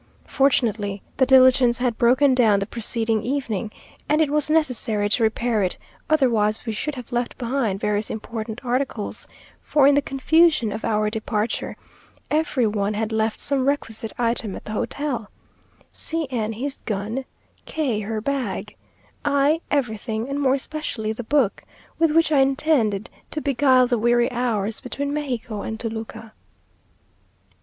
Fortunately, the diligence had broken down the preceding evening, and it was necessary to repair it; otherwise we should have left behind various important articles, for in the confusion of our departure, every one had left some requisite item at the hotel; C n his gun; K her bag; I everything and more especially the book with which I intended to beguile the weary hours between Mexico and Toluca.